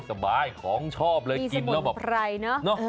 สบายของชอบเลยกิน